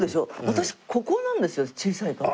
私ここなんですよ小さいから。